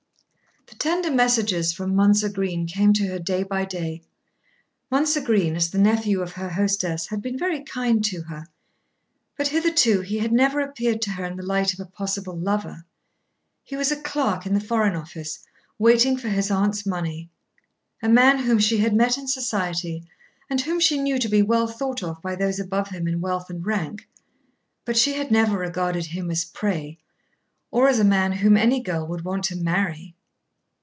The tender messages from Mounser Green came to her day by day. Mounser Green, as the nephew of her hostess, had been very kind to her; but hitherto he had never appeared to her in the light of a possible lover. He was a clerk in the Foreign Office, waiting for his aunt's money; a man whom she had met in society and whom she knew to be well thought of by those above him in wealth and rank; but she had never regarded him as prey, or as a man whom any girl would want to marry.